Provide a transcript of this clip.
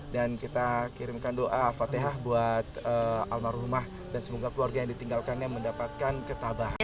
dan kita kirimkan doa fatihah buat almarhumah dan semoga keluarga yang ditinggalkannya mendapatkan ketabahan